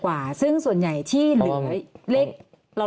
๒๐กว่าซึ่งส่วนใหญ่ที่เหลือเล็ก